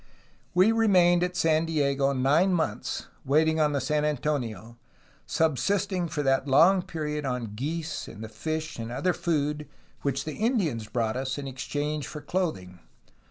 We re mained at San Diego nine months waiting for the San Antonio, subsisting for that long period on geese and the fish and other food which the Indians brought us in exchange for clothing.